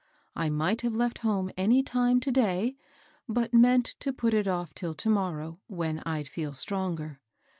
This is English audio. I might have left home any time to day, but meant to put it off till to morrow, when I'd feel stronger.